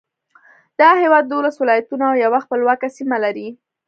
دا هېواد دولس ولایتونه او یوه خپلواکه سیمه لري.